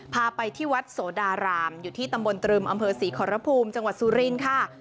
พาไปที่วัดโสดารามอยู่ที่ตำบลตรึมอำเภอศรีขอรภูมิจังหวัดสุรินทร์ค่ะ